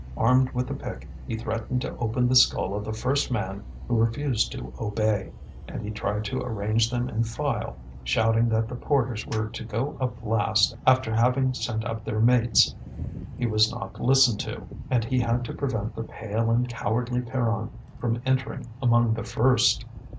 Armed with a pick he threatened to open the skull of the first man who refused to obey; and he tried to arrange them in file, shouting that the porters were to go up last after having sent up their mates. He was not listened to, and he had to prevent the pale and cowardly Pierron from entering among the first.